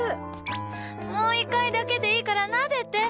もう１回だけでいいからなでて！